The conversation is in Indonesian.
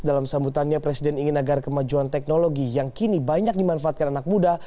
dalam sambutannya presiden ingin agar kemajuan teknologi yang kini banyak dimanfaatkan anak muda